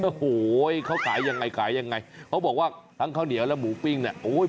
โอ้โหเขาขายยังไงเขาบอกว่าทั้งข้าวเหนียวและหมูปิ้งเนี่ย